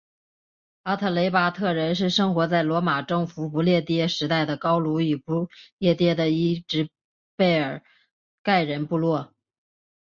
阿特雷巴特人是生活在罗马征服不列颠时代的高卢与不列颠的一只贝尔盖人部落。